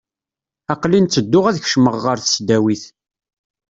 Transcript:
Aqel-in ttedduɣ ad kecmeɣ ɣer tesdawit.